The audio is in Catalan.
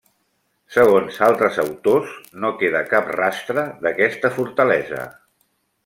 Segons altres autors no queda cap rastre d'aquesta fortalesa.